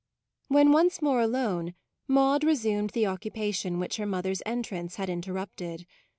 When once more alone, Maude resumed the occupation which her mother's entrance had interrupted.